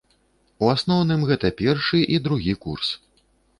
У асноўным гэта першы і другі курс.